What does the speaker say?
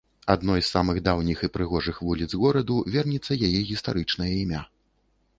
Адной з самых даўніх і прыгожых вуліц гораду вернецца яе гістарычнае імя.